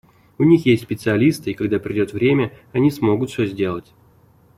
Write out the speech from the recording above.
У них есть специалисты, и, когда придет время, они смогут все сделать.